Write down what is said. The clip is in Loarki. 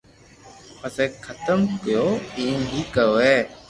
پسي جيم ڪيئو ايم اي ھوئي